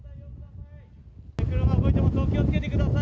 車動いています、お気をつけてください。